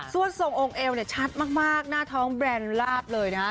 ส่วนทรงองค์เอวเนี่ยชัดมากหน้าท้องแบรนด์ลาบเลยนะฮะ